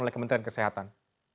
oleh kementerian kesehatan